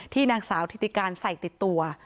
นางสาวธิติการใส่ติดตัว